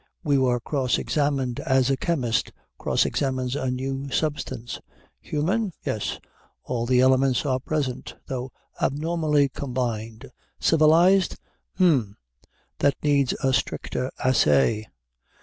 We were cross examined as a chemist cross examines a new substance. Human? yes, all the elements are present, though abnormally combined. Civilized? Hm! that needs a stricter assay.